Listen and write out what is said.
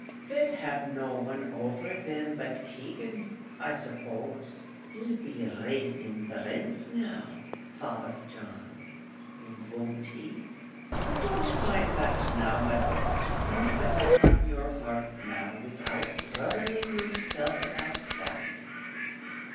they'll have no one over thim but Keegan, I suppose: he'll be resaving the rints now, Father John; won't he?" "Don't mind that now, my boy; you've enough on your heart now without troubling yourself about that."